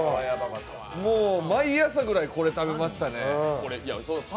もう毎朝ぐらいこれ食べましたね。